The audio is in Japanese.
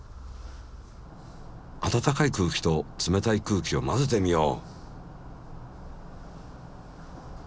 あたたかい空気と冷たい空気を混ぜてみよう。